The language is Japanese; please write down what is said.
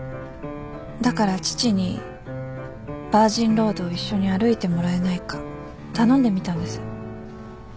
だから父にバージンロードを一緒に歩いてもらえないか頼んでみたんです。